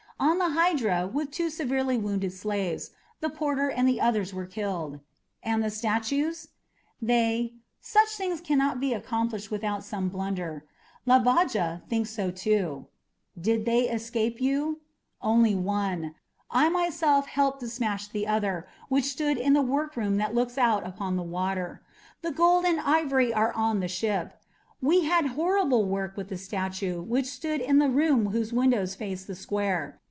On the Hydra, with two severely wounded slaves. The porter and the others were killed." "And the statues?" "They such things can't be accomplished without some little blunder Labaja thinks so, too." "Did they escape you?" "Only one. I myself helped to smash the other, which stood in the workroom that looks out upon the water. The gold and ivory are on the ship. We had horrible work with the statue which stood in the room whose windows faced the square.